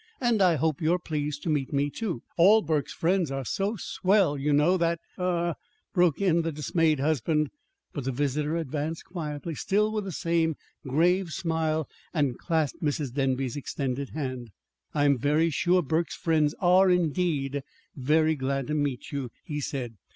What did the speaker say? "And I hope you're pleased to meet me, too. All Burke's friends are so swell, you know, that " "Er ah " broke in the dismayed husband. But the visitor advanced quietly, still with that same grave smile, and clasped Mrs. Denby's extended hand. "I am very sure Burke's friends are, indeed, very glad to meet you," he said.